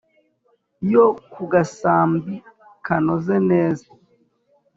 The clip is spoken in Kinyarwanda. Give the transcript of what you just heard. yo ku gasambi kanoze neza